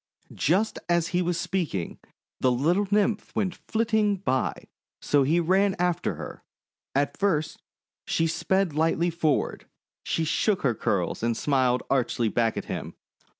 Just as he was speaking, the little Nymph went flitting by, so he ran after her. At first, as she sped lightly forward, she shook her curls and smiled archly back at him.